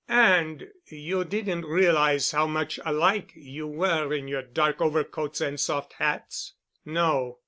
"And you didn't realize how much alike you were in your dark overcoats and soft hats?" "No."